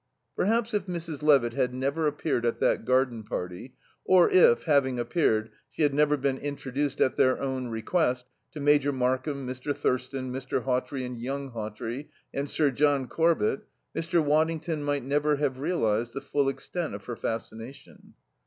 Perhaps if Mrs. Levitt had never appeared at that garden party, or if, having appeared, she had never been introduced, at their own request, to Major Markham, Mr. Thurston, Mr. Hawtrey and young Hawtrey and Sir John Corbett, Mr. Waddington might never have realized the full extent of her fascination.